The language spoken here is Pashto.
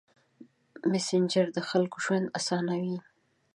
مسېنجر د خلکو ژوند اسانوي.